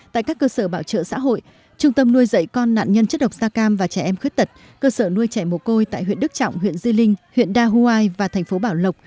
tại các cơ sở bảo trợ xã hội trung tâm nuôi dạy con nạn nhân chất độc da cam và trẻ em khuyết tật cơ sở nuôi trẻ mồ côi tại huyện đức trọng huyện di linh huyện đa huai và thành phố bảo lộc